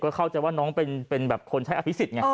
เข้าใจว่าน้องเป็นแบบคนใช้อภิษฎไง